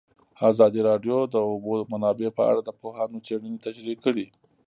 ازادي راډیو د د اوبو منابع په اړه د پوهانو څېړنې تشریح کړې.